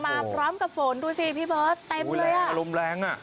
มาพร้อมกับฝนดูสิพี่เบิร์ตเต็มเลยอ่ะอารมณ์แรงอ่ะ